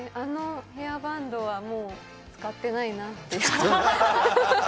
ヘアバンドは、もう使ってないなって。